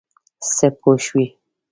څه پوه شوې؟